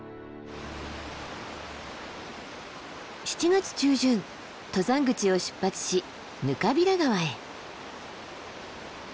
７月中旬登山口を出発し額平川へ。